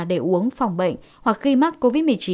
để uống phòng bệnh hoặc khi mắc covid một mươi chín